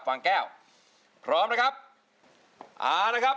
ฟังแก้วพร้อมนะครับ